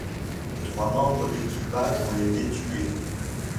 Les trois membres d’équipage ont été tués.